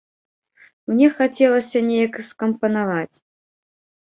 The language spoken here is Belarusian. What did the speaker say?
Мне хацелася неяк скампанаваць.